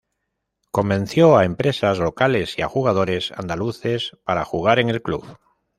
Convenció a empresas locales y a jugadores andaluces para jugar en el club.